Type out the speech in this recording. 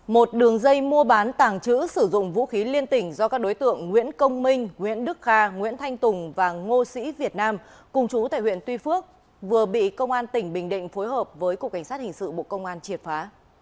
một đường dây mua bán tàng trữ sử dụng vũ khí liên tỉnh do các đối tượng nguyễn công minh nguyễn đức kha nguyễn thanh tùng và ngô sĩ việt nam cùng chú tại huyện tuy phước vừa bị công an tỉnh bình định phối hợp với cục cảnh sát hình sự bộ công an triệt phá